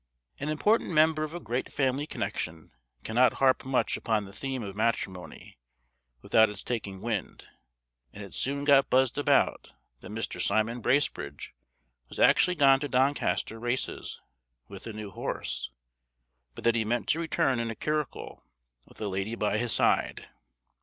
An important member of a great family connection cannot harp much upon the theme of matrimony without its taking wind; and it soon got buzzed about that Mr. Simon Bracebridge was actually gone to Doncaster races, with a new horse, but that he meant to return in a curricle with a lady by his side.